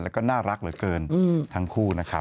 แล้วก็น่ารักเหลือเกินทั้งคู่นะครับ